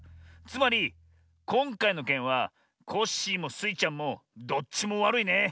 つまりこんかいのけんはコッシーもスイちゃんもどっちもわるいね。